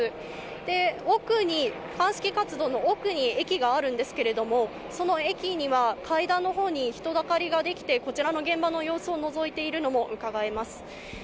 で、鑑識活動の奥に駅があるんですけれども、駅には階段のほうに人だかりができて、こちらの現場の様子を覗いているのもうかがえます。